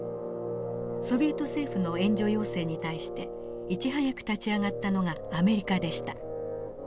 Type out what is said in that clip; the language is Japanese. ソビエト政府の援助要請に対していち早く立ち上がったのがアメリカでした。